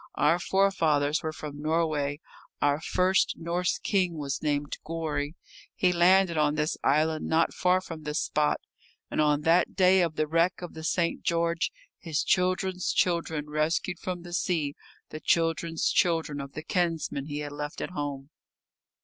Our forefathers were from Norway, our first Norse king was named Gorry. He landed on this island, not far from this spot. And on that day of the wreck of the St. George his children's children rescued from the sea the children's children of the kinsmen he had left at home.